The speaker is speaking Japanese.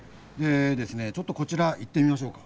ちょっとこちら行ってみましょうか。